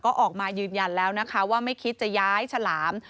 ก็ออกมายืนยันแล้วนะคะว่าไม่คิดจะย้ายฉลาม